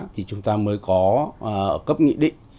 thì chúng ta mới có cấp nghị định